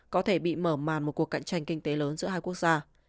có thể bị mở màn một cuộc cạnh tranh kinh tế lớn giữa hai quốc gia